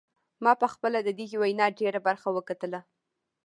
ما پخپله د دغې وینا ډیره برخه وکتله.